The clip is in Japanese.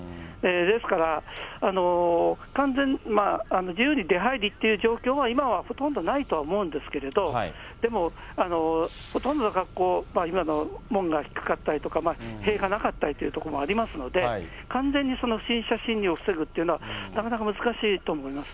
ですから、完全、自由に出入りという状況は、今はほとんどないとは思うんですけれど、でも、ほとんどの学校、今の門が低かったり、塀がなかったりという所もありますので、完全に不審者侵入を防ぐというのはなかなか難しいと思います。